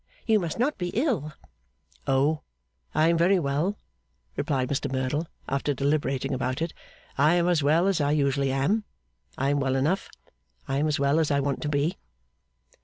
You must not be ill.' 'Oh! I am very well,' replied Mr Merdle, after deliberating about it. 'I am as well as I usually am. I am well enough. I am as well as I want to be.